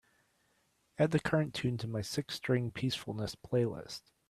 add the current tune to my Six string peacefulness playlist